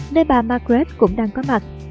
nơi bà margaret cũng đang có mặt